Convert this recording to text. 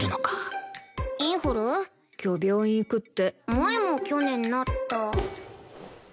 萌も去年なった。